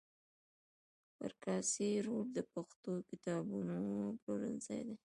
پر کاسي روډ د پښتو کتابونو پلورنځي دي.